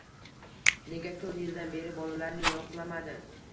Nega to`rt yildan beri bolalarini yo`qlamadi